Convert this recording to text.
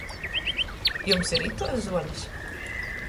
Jums ir ituos zuolis?